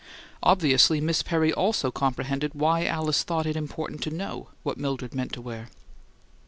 Obviously Miss Perry also comprehended why Alice thought it important to know what Mildred meant to wear.